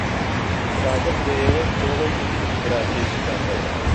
سادق دەیەوێت تۆڵەی مردنی براکەی بکاتەوە.